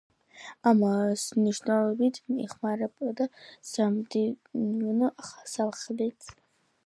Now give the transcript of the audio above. ამავე მნიშვნელობით იხმარებოდა „სამდივნო სახლიც“.